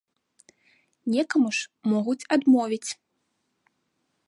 Некаму ж могуць адмовіць.